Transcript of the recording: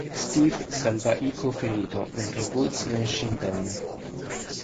Steve salva Hiko ferito, mentre Woods ne esce indenne.